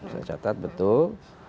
saya catat betul